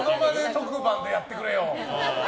特番でやってくれよ。